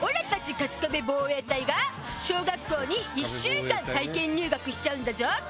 カスカベ防衛隊が小学校に１週間体験入学しちゃうんだゾ。